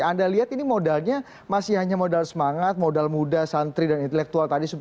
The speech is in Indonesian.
anda lihat ini modalnya masih hanya modal semangat modal muda santri dan intelektual tadi